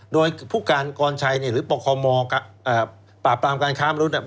โดยผู้การกรชัยหรือปคมปราบปรามการค้ามนุษย์